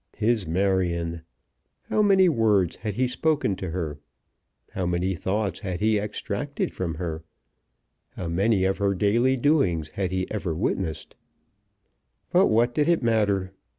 His Marion! How many words had he spoken to her? How many thoughts had he extracted from her? How many of her daily doings had he ever witnessed? But what did it matter?